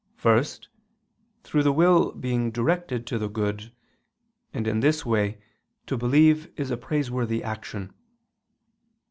First, through the will being directed to the good, and in this way, to believe is a praiseworthy action.